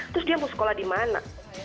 terus dia mau sekolah di mana